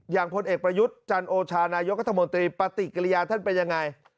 พลเอกประยุทธ์จันโอชานายกรัฐมนตรีปฏิกิริยาท่านเป็นยังไง